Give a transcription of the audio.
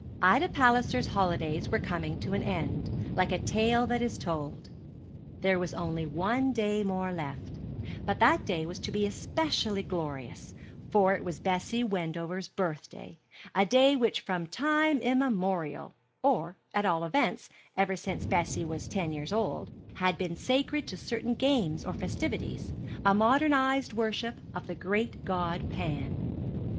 Ida Palliser's holidays were coming to an end, like a tale that is told. There was only one day more left, but that day was to be especially glorious; for it was Bessie Wendover's birthday, a day which from time immemorial or, at all events, ever since Bessie was ten years old had been sacred to certain games or festivities a modernized worship of the great god Pan.